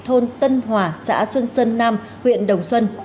thôn tân hòa xã xuân sơn nam huyện đồng xuân